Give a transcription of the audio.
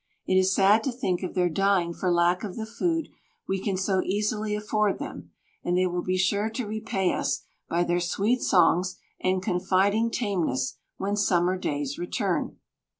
It is sad to think of their dying for lack of the food we can so easily afford them, and they will be sure to repay us by their sweet songs and confiding tameness when summer days return.